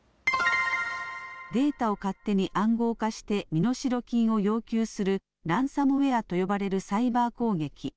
データを勝手に暗号化して身代金を要求するランサムウェアと呼ばれるサイバー攻撃。